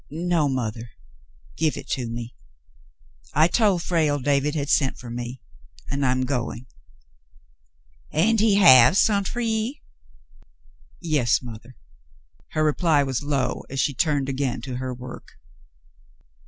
"No, mother, give it to me. I told Frale David had sent for me, and I'm going." 'And he have sont fer ye?'* (( £64 The Mountain Girl "Yes, mothah." Her reply was low as she turned again to her work.